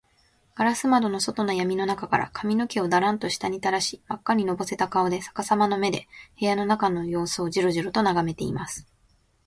ガラス窓の外のやみの中から、髪かみの毛をダランと下にたらし、まっかにのぼせた顔で、さかさまの目で、部屋の中のようすをジロジロとながめています。